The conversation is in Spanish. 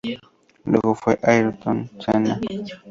Luego fue Ayrton Senna.